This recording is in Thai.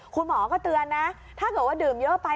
คุณหมอก็เตือนนะถ้าเกิดว่าดื่มเยอะไป